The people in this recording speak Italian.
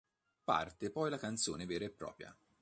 Parte, poi, la canzone vera e propria.